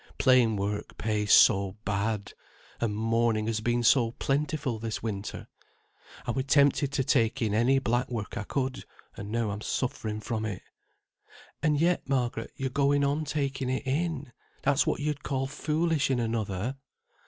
Plain work pays so bad, and mourning has been so plentiful this winter, I were tempted to take in any black work I could; and now I'm suffering from it." "And yet, Margaret, you're going on taking it in; that's what you'd call foolish in another."